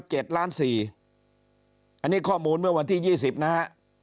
อันนี้ข้อมูลเมื่อวันที่ยี่สิบนะฮะ